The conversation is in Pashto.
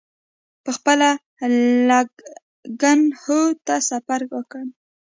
پخپله لکنهو ته سفر وکړي.